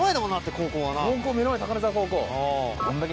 高校目の前高根沢高校。